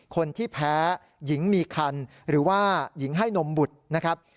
คนที่แพ้หญิงมีคันหรือว่าหญิงให้นมบุตรนะครับ